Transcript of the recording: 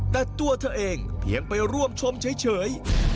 แต่ตัวเธอเองเพียงไปร่วมชมเฉย